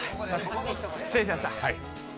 失礼しました。